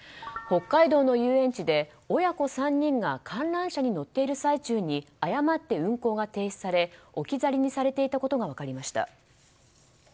北海道の遊園地で親子３人が観覧車に乗っている最中に誤って運行が停止され置き去りにされていたことが分かりました。